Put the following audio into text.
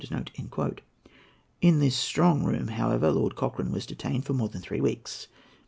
In this Strong Room, however, Lord Cochrane was detained for more than three weeks.